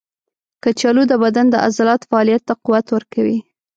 کچالو د بدن د عضلاتو فعالیت ته قوت ورکوي.